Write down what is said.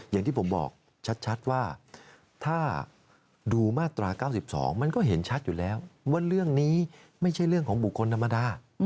อย่างที่ผมบอกชัดว่าถ้าดูมาตรา๙๒มันก็เห็นชัดอยู่แล้วว่าเรื่องนี้ไม่ใช่เรื่องของบุคคลธรรมดา